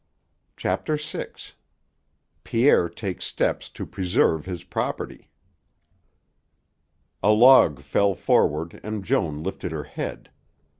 CHAPTER VI PIERRE TAKES STEPS TO PRESERVE HIS PROPERTY A log fell forward and Joan lifted her head.